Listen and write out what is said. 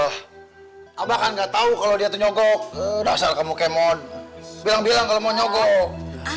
hai tuh abah nggak tahu kalau dia nyogok dasar kamu kemon bilang bilang kalau mau nyogok